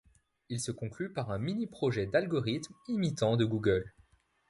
Il se conclut par un mini-projet d'algorithme imitant de Google.